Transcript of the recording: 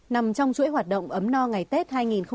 nằm trong chuỗi hoạt động ấm no ngày tết hai nghìn một mươi sáu